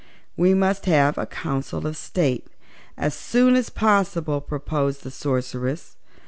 "We must have a Council of State as soon as possible," proposed the Sorceress.